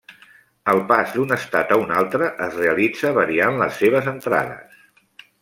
El pas d'un estat a un altre es realitza variant les seves entrades.